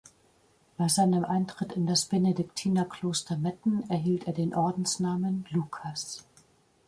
Bei seinem Eintritt in das Benediktinerkloster Metten erhielt er den Ordensnamen Lucas.